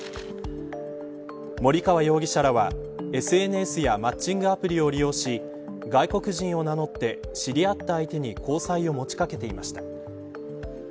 森川容疑者らはＳＮＳやマッチングアプリを利用し外国人を名乗って知り合った相手に交際を持ちかけていました。